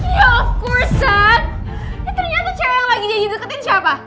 ya tentu ternyata cewek yang lagi jadi deketin siapa